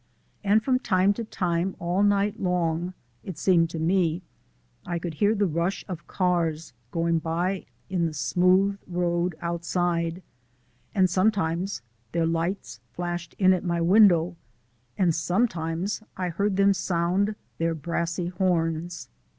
And from time to time all night long, it seemed to me, I could hear the rush of cars going by in the smooth road outside, and sometimes their lights flashed in at my window, and sometimes I heard them sound their brassy horns.